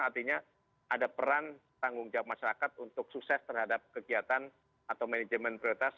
artinya ada peran tanggung jawab masyarakat untuk sukses terhadap kegiatan atau manajemen prioritas